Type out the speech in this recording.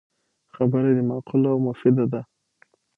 خبره دی معقوله او مفیده ده